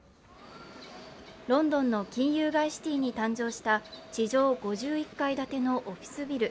ロンドンの金融街シティに誕生した地上５１階建てのオフィスビル。